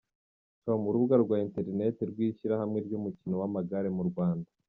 com urubuga rwa interineti rw’ishyirahamwe ry’umukino w’amagare mu Rwanda.